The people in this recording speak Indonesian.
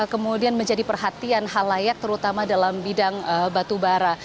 kemudian menjadi perhatian hal layak terutama dalam bidang batubara